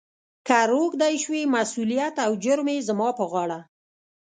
« کهٔ روږدی شوې، مسولیت او جرم یې زما پهٔ غاړه. »